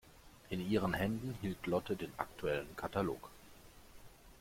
In ihren Händen hielt Lotte den aktuellen Katalog.